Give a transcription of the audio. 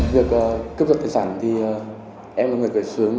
việc cướp giật tài sản thì em là người khởi xướng